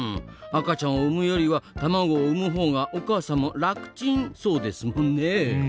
赤ちゃんを産むよりは卵を産む方がお母さんも楽チンそうですもんねえ。